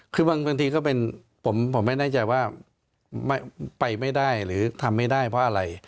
คือบางทีก็เป็นผมไม่แน่ใจว่าไปไม่ได้หรือทำไม่ได้เพราะอะไร